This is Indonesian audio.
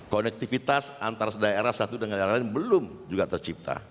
konektivitas antara daerah satu dengan daerah lain belum juga tercipta